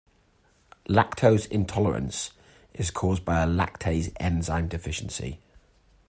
Lactose intolerance is caused by a lactase enzyme deficiency.